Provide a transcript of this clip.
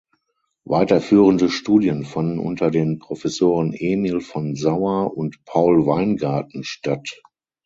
Weiterführende Studien fanden unter den Professoren Emil von Sauer und Paul Weingarten statt.